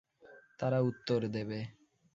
তারা উত্তর দেবে।